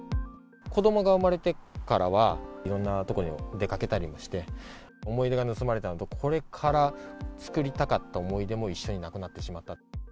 子どもが生まれてからはいろんな所に出かけたりもして、思い出が盗まれたのと、これから作りたかった思い出も一緒になくなってしまった。